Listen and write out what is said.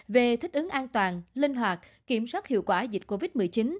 về thích ứng an toàn linh hoạt kiểm soát hiệu quả dịch covid một mươi chín